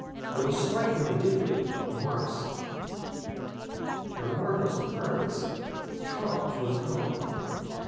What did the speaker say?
But it was strikingly different from Mark's. Where Mark was querulous, Charles was calm.